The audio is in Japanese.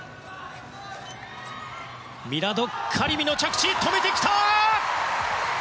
ミラド・カリミの着地止めてきた！